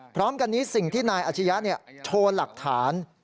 พร้อมกันนี้สิ่งที่นายอาชียะโชว์หลักฐาน